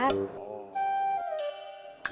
pak haji rum ada ide